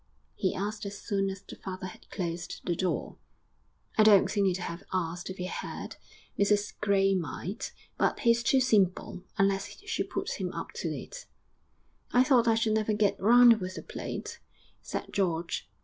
he asked as soon as the father had closed the door. 'I don't think he'd have asked if he had. Mrs Gray might, but he's too simple unless she put him up to it.' 'I thought I should never get round with the plate,' said George.